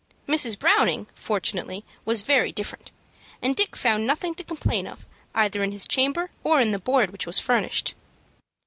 Mrs. Browning, fortunately, was very different, and Dick found nothing to complain of either in his chamber or in the board which was furnished.